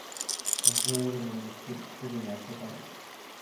夏の夜の熱気。すぐに汗ばむ。